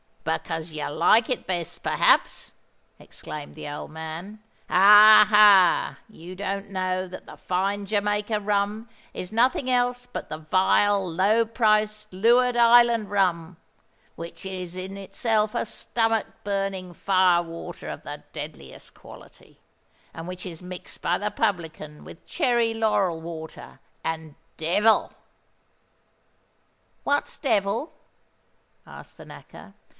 "Because you like it best, perhaps?" exclaimed the old man. "Ha! ha! you don't know that the Fine Jamaica Rum is nothing else but the vile low priced Leeward Island rum, which is in itself a stomach burning fire water of the deadliest quality, and which is mixed by the publican with cherry laurel water and devil." "What's devil?" asked the Knacker.